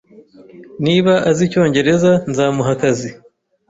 Niba azi icyongereza, nzamuha akazi